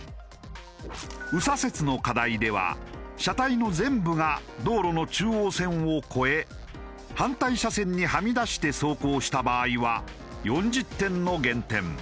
右左折の課題では車体の全部が道路の中央線を超え反対車線にはみ出して走行した場合は４０点の減点。